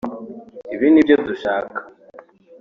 ibi ni byo dushaka